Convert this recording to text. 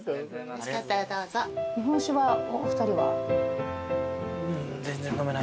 日本酒はお二人は？